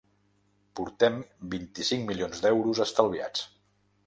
“Portem vint-i-cinc milions d’euros estalviats”.